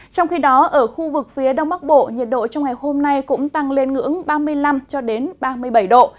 trong khi đó ở khu vực phía đông bắc bộ nhiệt độ trong ngày hôm nay cũng tăng lên ngưỡng ba mươi năm ba mươi bảy độ